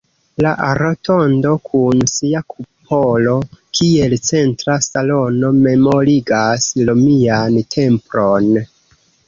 La rotondo kun sia kupolo kiel centra salono memorigas romian templon.